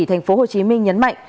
thành phố hồ chí minh nhấn mạnh